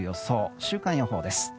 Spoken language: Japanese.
週間予報です。